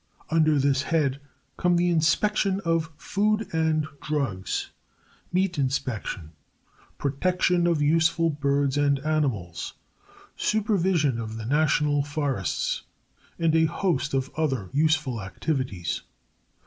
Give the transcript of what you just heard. Under this head come the inspection of food and drugs, meat inspection, protection of useful birds and animals, supervision of the national forests, and a host of other useful activities.